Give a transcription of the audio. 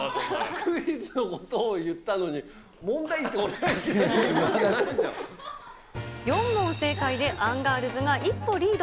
クイズのことを言ったのに、４問正解でアンガールズが一歩リード。